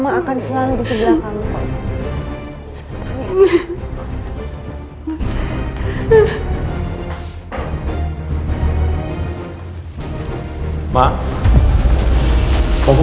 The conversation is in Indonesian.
mama akan selalu di sebelah kamu